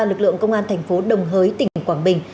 lực lượng công an thành phố đồng hới tỉnh quảng bình